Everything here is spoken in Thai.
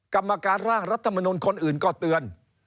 กรรมการร่างรัฐมนุนคนอื่นก็เตือน